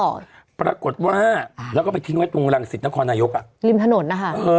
ก็รับกฎว่าแล้วก็ไปทิ้งไว้ตรงรังศิลป์นครนายกลิมถนน